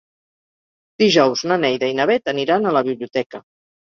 Dijous na Neida i na Bet aniran a la biblioteca.